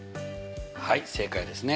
はい正解ですね。